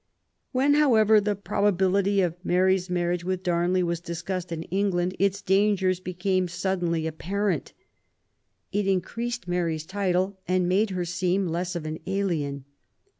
When, however, the probability of Mary's marriage with Darnley was discussed in England, its dangers became suddenly apparent. It increased Mary's title and made her seem less of an alien.